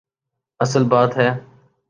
اصل بات ہے۔